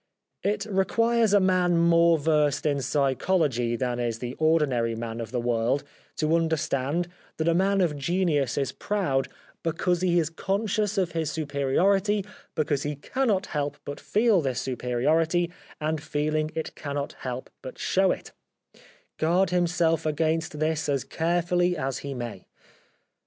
It requires a man more versed in psychology than is the ordinary man 169 The Life of Oscar Wilde of the world to understand that a man of genius is proud because he is conscious of his superiority , because he cannot help but feel this superiority , and feeling it cannot help but show it, guard himself against this as carefully as he may.